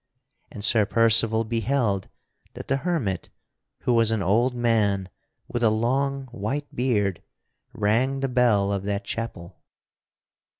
And Sir Percival beheld that the hermit, who was an old man with a long white beard, rang the bell of that chapel.